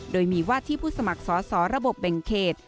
โดยมีวาดที่ผู้สมัครสอสอระบบแบ่งเขต